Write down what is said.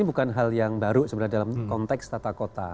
ini bukan hal yang baru sebenarnya dalam konteks tata kota